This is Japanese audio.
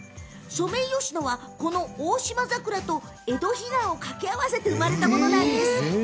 ソメイヨシノはこのオオシマザクラとエドヒガンを掛け合わせて生まれたものなんです。